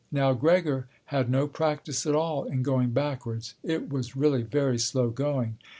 Now, Gregor had no practice at all in going backwards—it was really very slow going.